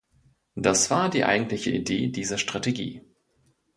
Das war die eigentliche Idee dieser Strategie.